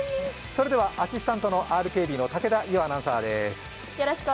それでは、アシスタントのＲＫＢの武田伊央アナウンサーです。